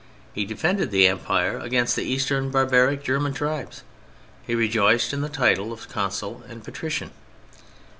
He defended the Empire against the Eastern barbaric German tribes. He rejoiced in the titles of Consul and Patrician.